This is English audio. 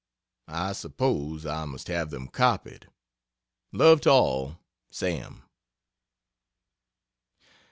I suppose I must have them copied. Love to all SAM.